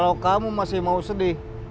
kalau kamu masih mau sedih